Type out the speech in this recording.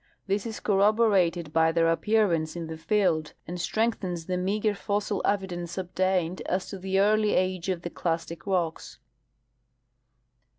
This is cor rol:)orated by their appearance in the field and strengthens the meager fossil evidence obtained as to the early age of the clastic rocks.